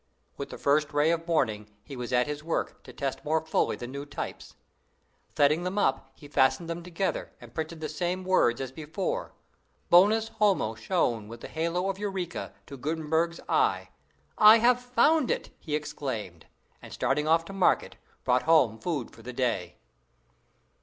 With the first ray of morning he was at his work, to test more fully the new types. Setting them up, he fastened them together, and printed the same words as before. Bonus homo shone with the halo of eureka to Gutenberg's eye. "I have found it!" he exclaimed, and, starting off to market, brought home food for the day.